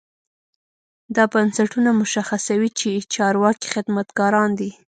دا بنسټونه مشخصوي چې چارواکي خدمتګاران دي.